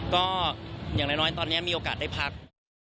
ก็อย่างน้อยตอนนี้มีโอกาสได้พัก